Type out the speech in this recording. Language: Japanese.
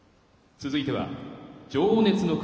続いては情熱の国